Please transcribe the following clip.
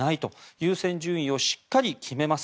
優先順位をしっかり決めます